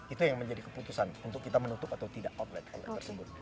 itu yang menjadi keputusan untuk kita menutup atau tidak outlet outlet tersebut